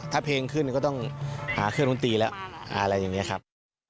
ถ้าเพลงขึ้นก็ต้องหาเครื่องดนตรีแล้วอะไรอย่างนี้ครับ